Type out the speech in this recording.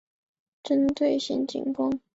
针对新情况